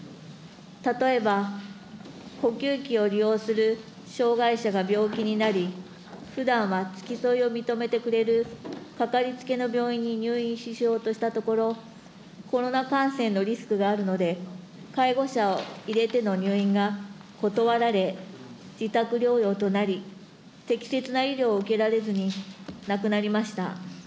例えば呼吸器を利用する障害者が病気になり、ふだんは付き添いを認めてくれるかかりつけの病院に入院しようとしたところ、コロナ感染のリスクがあるので、介護者を入れての入院は断られ、自宅療養となり、適切な医療を受けられずに亡くなりました。